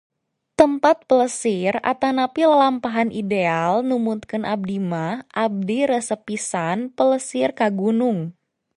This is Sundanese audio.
Tempat plesir atanapi lalampahan ideal numutkeun abdi mah, abdi resep pisan plesir ka gunung.